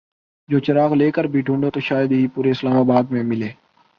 جو چراغ لے کر بھی ڈھونڈو تو شاید ہی پورے اسلام آباد میں ملے ۔